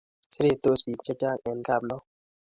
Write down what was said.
Seretos pik che chang en kaplong